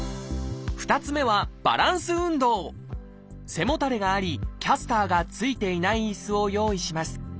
２つ目は背もたれがありキャスターが付いていない椅子を用意します。